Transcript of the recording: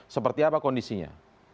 seperti apa kondisinya